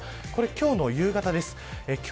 今日の夕方です。